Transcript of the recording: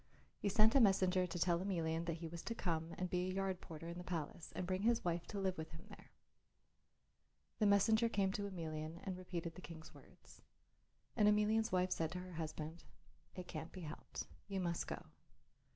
He sent a messenger to tell Emelian that he was to come and be a yard porter in the palace and bring his wife to live with him there. The messenger came to Emelian and repeated the King's words. And Emelian's wife said to her husband, "It can't be helped; you must go.